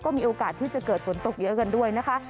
มีโอกาสที่จะเกิดฝนตกเยอะกันด้วยนะคะ